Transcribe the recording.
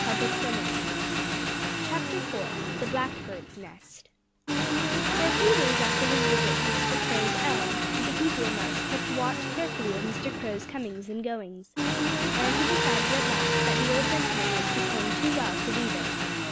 IV THE BLACKBIRD'S NEST For a few days after his visit to Mr. Crow's elm, Dickie Deer Mouse kept watch carefully of Mr. Crow's comings and goings. And he decided at last that the old gentleman liked his home too well to leave it.